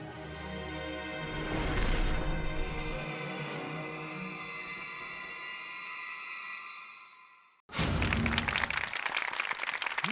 สุขวัฒน์